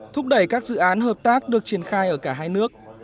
thúc đẩy các dự án hợp tác được triển khai ở cả hai nước